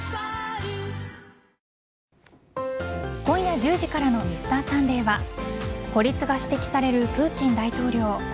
今夜１０時からの「Ｍｒ．サンデー」は孤立が指摘されるプーチン大統領。